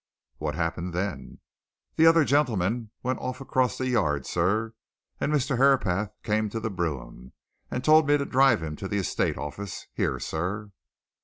"What happened then?" "The other gentleman went off across the Yard, sir, and Mr. Herapath came to the brougham, and told me to drive him to the estate office here, sir."